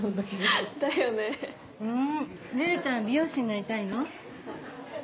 ルルちゃん美容師になりたいの？